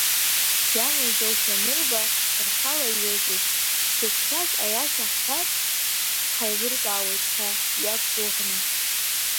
Иамуӡошәа анырба, рхала илҵит, ҳзықәшәаз аиаша ҳҳәар ҳаилыркаауеит ҳәа иақәгәыӷны.